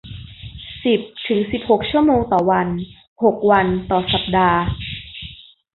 สิบถึงสิบหกชั่วโมงต่อวัน หกวันต่อสัปดาห์